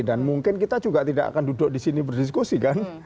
dan mungkin kita juga tidak akan duduk disini berdiskusi kan